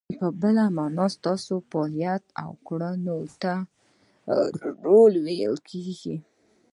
په بله مانا، ستاسو فعالیت او کړنو ته رول ویل کیږي.